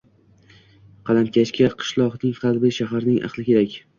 Qalamkashga qishloqning qalbi, shaharning aqli kerak.